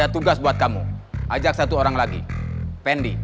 tugas kamu di sini